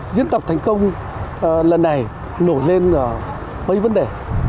diễn tập thành công lần này nổi lên mấy vấn đề